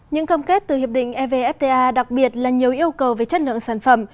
những công kết từ hiệp định evfta đặc biệt là nhiều yêu cầu về chất lượng sản phẩm